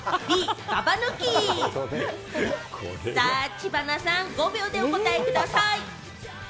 知花さん、５秒でお答えください。